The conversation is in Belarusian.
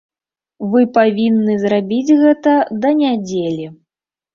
Вы павінны зрабіць гэта да нядзелі.